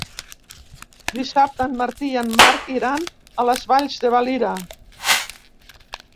Dissabte en Martí i en Marc iran a les Valls de Valira.